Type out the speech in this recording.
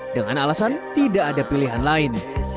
dengan alasan tidak ada pilihan lain